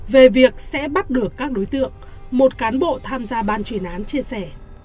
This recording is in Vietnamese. về việc sẽ bắt được các đối tượng một cán bộ tham gia ban chuyên án chia sẻ